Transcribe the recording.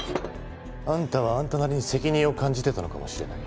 あんたはあんたなりに責任を感じてたのかもしれない。